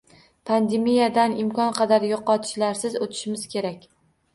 Pandemiyadan imkon qadar yoʻqotishlarsiz oʻtishimiz kerak